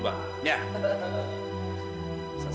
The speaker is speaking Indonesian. bang jangan lupa